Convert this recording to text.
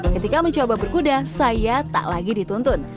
ketika mencoba berkuda saya tak lagi dituntun